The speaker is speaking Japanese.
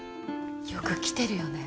よく来てるよね